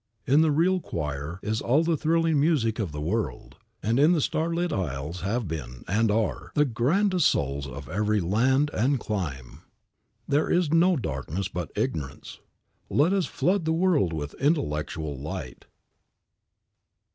In the real choir is all the thrilling music of the world, and in the star lit aisles have been, and are, the grandest souls of every land and clime. "There is no darkness but ignorance." Let us flood the world with intellectual light.